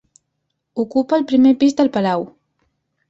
Ocupa el primer pis del palau.